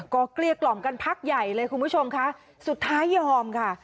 ก็เกลี้ยกล่อมกันพักใหญ่เลยคุณผู้ชมค่ะสุดท้ายยอมค่ะ